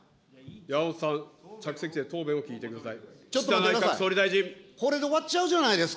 山本さん、着席して答弁を聞いてください。